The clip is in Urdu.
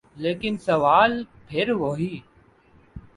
لیکن سوال پھر وہی۔